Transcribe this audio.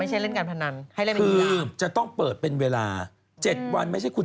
ใช่ใช่แม่เคยไปดูเขาก็สัมพาทอยู่นะ